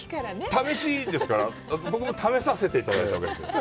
試しですから、僕も試させていただいたわけですよ。